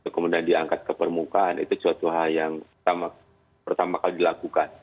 kemudian diangkat ke permukaan itu suatu hal yang pertama kali dilakukan